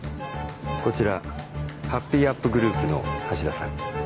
こちらハッピーアップグループの橋田さん。